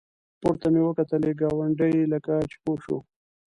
پورته مې وکتلې ګاونډی لکه چې پوه شو.